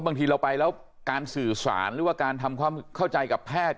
บางทีเราไปแล้วการสื่อสารหรือว่าการทำความเข้าใจกับแพทย์